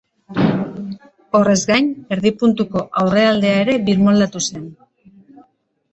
Horrez gain, erdi puntuko aurrealdea ere birmoldatu zen.